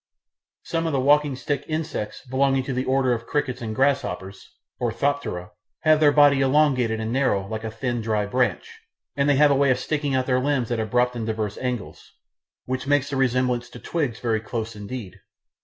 Some of the walking stick insects, belonging to the order of crickets and grasshoppers (Orthoptera), have their body elongated and narrow, like a thin dry branch, and they have a way of sticking out their limbs at abrupt and diverse angles, which makes the resemblance to twigs very close indeed.